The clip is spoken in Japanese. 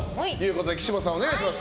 岸本さん、お願いします。